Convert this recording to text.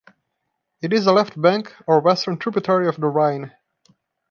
It is a left bank, or western tributary of the Rhine.